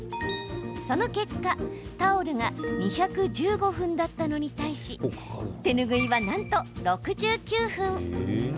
その結果、タオルが２１５分だったのに対し手ぬぐいは、なんと６９分。